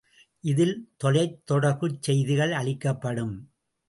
இதில் தொலைத் தொடர்புச் செய்திகள் அளிக்கப்படும்.